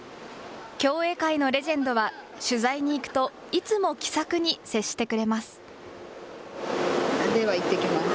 競泳界のレジェンドは取材に行くと、いつも気さくに接してくれます。